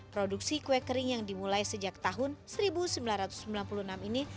produksi kue kering yang dimulai sejak tahun seribu sembilan ratus sembilan puluh enam ini